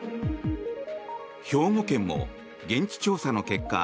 兵庫県も現地調査の結果